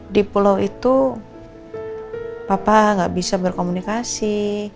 di pulau itu papa nggak bisa berkomunikasi